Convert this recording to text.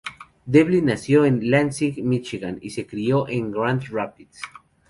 Devlin nació en Lansing, Michigan, y se crio en Grand Rapids.